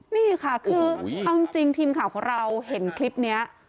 นี่ค่ะคือจริงทีมข่าวเพราะเราเห็นคลิปนี้